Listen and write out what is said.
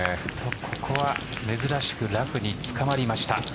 ここは珍しくラフにつかまりました。